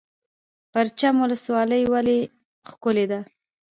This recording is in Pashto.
پرچمن ولسوالۍ ولې ښکلې ده؟